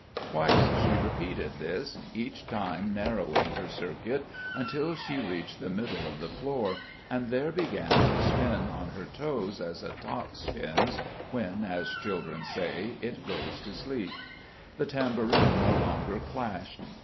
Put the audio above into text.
Twice she repeated this, each time narrowing her circuit, until she reached the middle of the floor, and there began to spin on her toes as a top spins when (as children say) it goes to sleep. The tambourine no longer clashed.